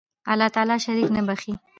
الله تعالی شرک نه بخښي